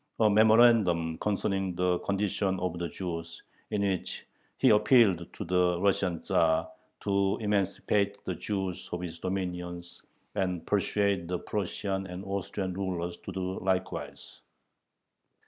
a "Memorandum Concerning the Condition of the Jews," in which he appealed to the Russian Tzar to emancipate the Jews of his dominions and persuade the Prussian and Austrian rulers to do likewise.